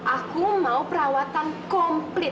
aku mau perawatan komplit